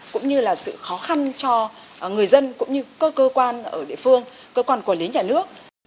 cũng như là sự khó khăn cho người dân cũng như cơ quan ở địa phương cơ quan quản lý nhà nước